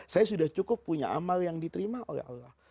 saya sudah cukup punya amal yang diterima oleh allah